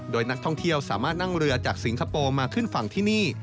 โดยนักท่องเที่ยวสามารถนั่งเรือจากสิงคโปร์มาขึ้นฝั่งที่นี่